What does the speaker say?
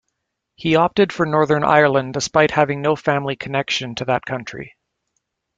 He opted for Northern Ireland, despite having no family connection to that country.